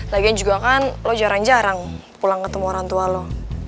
lagian juga kan lo jarang jarang pulang ketemu orang tua lo